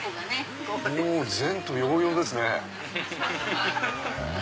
もう前途洋々ですね。